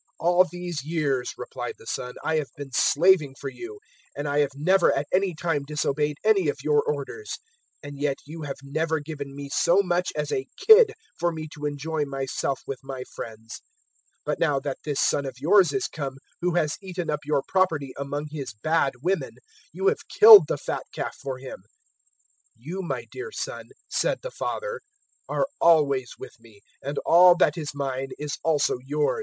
015:029 "`All these years,' replied the son, `I have been slaving for you, and I have never at any time disobeyed any of your orders, and yet you have never given me so much as a kid, for me to enjoy myself with my friends; 015:030 but now that this son of yours is come who has eaten up your property among his bad women, you have killed the fat calf for him.' 015:031 "`You my dear son,' said the father, `are always with me, and all that is mine is also yours.